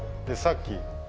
でさっき。